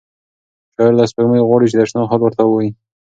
شاعر له سپوږمۍ غواړي چې د اشنا حال ورته ووایي.